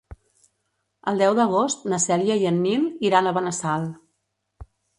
El deu d'agost na Cèlia i en Nil iran a Benassal.